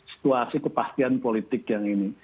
situasi kepastian politik yang ini